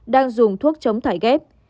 đang dùng thuốc chống thải ghép